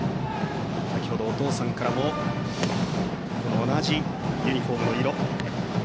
先程、お父さんからも同じユニフォームの色。